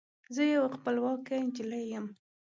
زه یوه خپلواکه نجلۍ یم